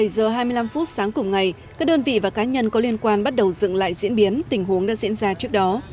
bảy giờ hai mươi năm phút sáng cùng ngày các đơn vị và cá nhân có liên quan bắt đầu dựng lại diễn biến tình huống đã diễn ra trước đó